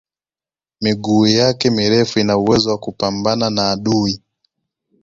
miguu yake mirefu ina uwezo wa kupambana na adui